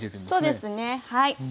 そうですねはい。